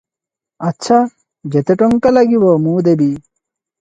ଆଚ୍ଛା ଯେତେ ଟଙ୍କା ଲାଗିବ, ମୁଁ ଦେବି ।